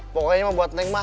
pokoknya mah buat neng mah